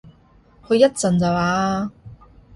去一陣㗎咋